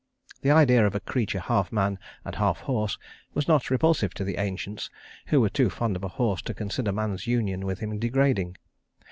The idea of a creature half man and half horse was not repulsive to the ancients, who were too fond of a horse to consider man's union with him degrading.